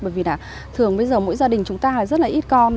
bởi vì là thường bây giờ mỗi gia đình chúng ta là rất là ít con